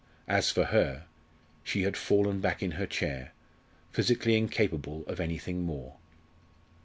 As for her, she had fallen back in her chair, physically incapable of anything more.